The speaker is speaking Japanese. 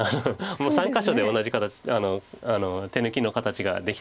もう３か所で同じ形手抜きの形ができてます。